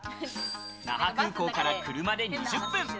那覇空港から車で２０分。